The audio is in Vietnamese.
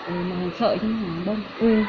ừ màu sợi thì nó bông